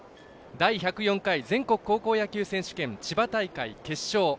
第１０４回全国高校野球選手権千葉大会決勝。